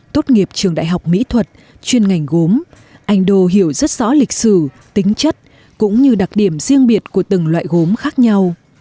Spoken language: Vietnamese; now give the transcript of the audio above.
tốt nghiệp trường đại học mỹ thuật chuyên ngành gốm anh đô hiểu rất rõ lịch sử tính chất cũng như đặc điểm riêng biệt của từng loại gốm khác nhau